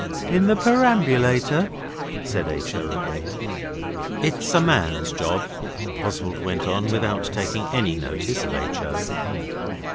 'In the perambulator?' said H. O. again. 'It's a man's job,' Oswald went on, without taking any notice of H. O.